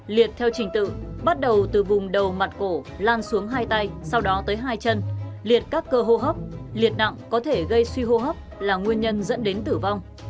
liệt theo trình tự bắt đầu từ vùng đầu mặt cổ lan xuống hai tay sau đó tới hai chân liệt các cơ hô hấp liệt nặng có thể gây suy hô hấp là nguyên nhân dẫn đến tử vong